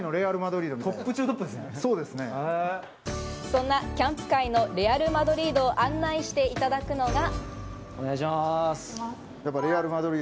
そんなキャンプ界のレアル・マドリードを案内していただくのが。